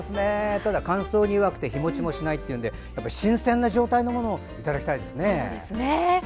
ただ乾燥に弱くて日もちもしないというので新鮮な状態のものいただきたいですね。